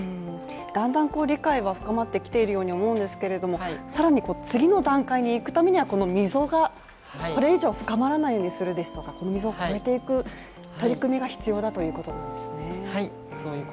だんだん理解は深まってきているように思うんですけれども更に次の段階にいくためにはこの溝がこれ以上に深まらないようにするですとか、この溝を超えていく取り組みが必要ということなんですね。